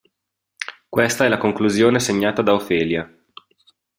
Questa è la conclusione sognata da Ophelia.